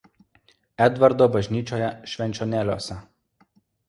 Edvardo bažnyčioje Švenčionėliuose.